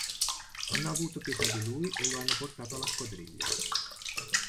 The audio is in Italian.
Hanno avuto pietà di lui e lo hanno portato alla squadriglia.